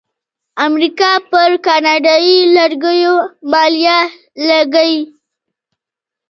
امریکا پر کاناډایی لرګیو مالیه لګوي.